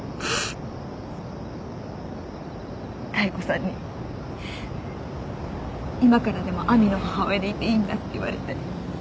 妙子さんに今からでも亜美の母親でいていいんだって言われて。